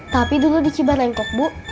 tapi dulu di ciba lengkok bu